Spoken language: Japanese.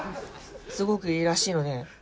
すごくいいらしいので。